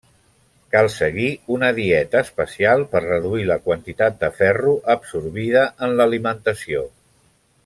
Cal seguir una dieta especial per reduir la quantitat de ferro absorbida en l'alimentació.